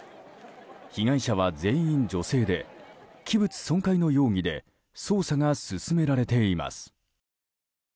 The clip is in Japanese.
被害者は全員女性で器物損壊の容疑で捜査が進められています。